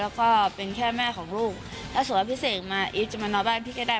แล้วก็เป็นแค่แม่ของลูกถ้าสมมุติว่าพี่เสกมาอีฟจะมานอนบ้านพี่ก็ได้